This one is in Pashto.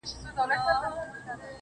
o زموږه دوو زړونه دي تل په خندا ونڅيږي.